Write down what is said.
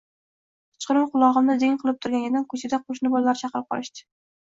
Kechqurun qulog‘imni ding qilib turgan edim, ko‘chada qo‘shni bolalar chaqirib qolishdi.